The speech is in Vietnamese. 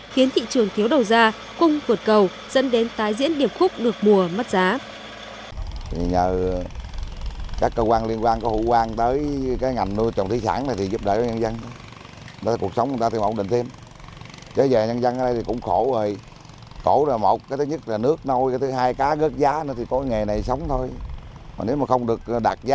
khiến thị trường thiếu đầu ra cung vượt cầu dẫn đến tái diễn điểm khúc ngược mùa mất giá